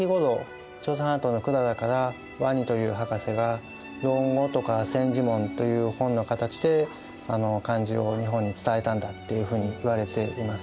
朝鮮半島の百済から王仁という博士が「論語」とか「千字文」という本の形で漢字を日本に伝えたんだっていうふうにいわれています。